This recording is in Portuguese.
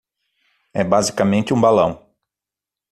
É basicamente um balão